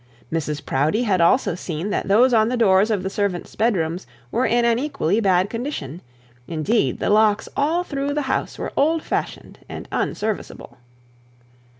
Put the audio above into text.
Mrs Proudie had also seen that those on the doors of the servants' bedrooms were in an equally bad condition; indeed the locks all through the house were old fashioned and unserviceable.